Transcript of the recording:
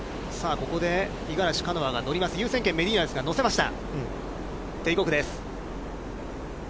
ここで、五十嵐カノアが乗ります、優先権、メディーナですが、乗せました。